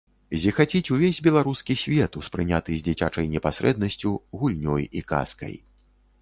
Зіхаціць увесь беларускі свет, успрыняты з дзіцячай непасрэднасцю, гульнёй і казкай.